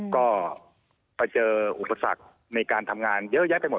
ก็ไปเจออุปสรรคในการทำงานเยอะแยะไปหมด